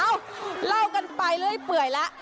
เอ้าเลากันไปเลยเปื่อยล่ะ